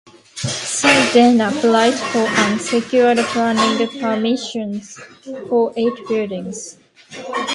She then applied for and secured planning permission for eight buildings.